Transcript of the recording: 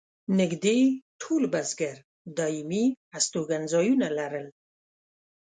نږدې ټول بزګر دایمي استوګن ځایونه لرل.